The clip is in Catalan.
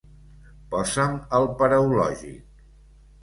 Posa'm el paraulògic.